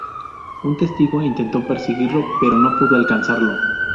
Un testigo intentó perseguirlo pero no pudo alcanzarlo.